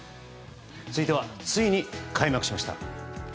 続いてはついに開幕しました。